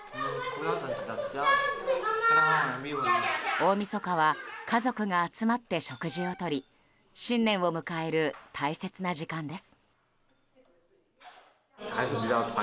大みそかは家族が集まって食事をとり新年を迎える大切な時間です。